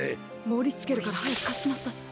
もりつけるからはやくかしなさい。